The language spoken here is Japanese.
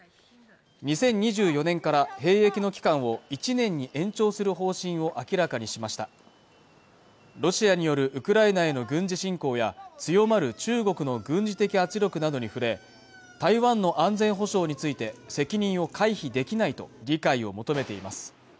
２０２４年から兵役の期間を１年に延長する方針を明らかにしましたロシアによるウクライナへの軍事侵攻や強まる中国の軍事的圧力などに触れ台湾の安全保障について責任を回避できないと理解を求めています